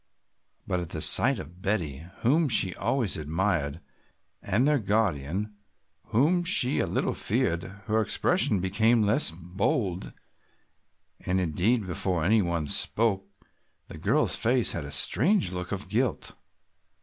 But at the sight of Betty, whom she always admired, and their guardian, whom she a little feared, her expression became less bold and, indeed, before any one spoke the girl's face had a strange look of guilt.